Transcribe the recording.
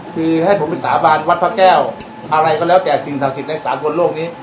คือให้ผมไปสาบานวัดพระแก้วอะไรก็แล้วแต่สิ่งศักดิ์สิทธิ์ในสากลโลกนี้